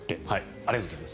ありがとうございます。